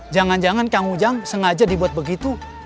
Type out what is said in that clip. jangan jangan kang ujang sengaja dibuat begitu